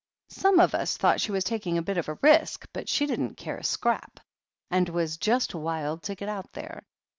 Some of us thought she was taking a bit of a risk, but she didn't care a scrap, and was just wild to get out there.